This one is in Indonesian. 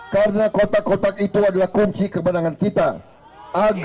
karena kotak kotak itu adalah kesehatan yang terjadi di tps dan di tps yang lainnya